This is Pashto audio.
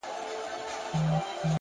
هوښیار انسان د فرصت ارزښت پېژني.!